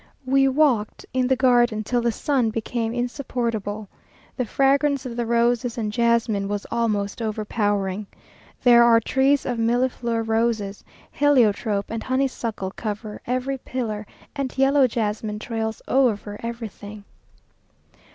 We walked in the garden till the sun became insupportable. The fragrance of the roses and jasmine was almost overpowering. There are trees of millefleur roses; heliotrope and honeysuckle cover every pillar, and yellow jasmine trails over everything....